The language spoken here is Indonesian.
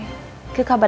dan kalian berdua mabuk